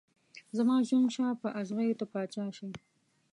زما ژوند شه په اغزيو ته پاچا شې